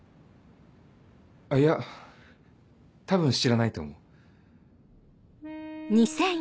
いや多分知らないと思う。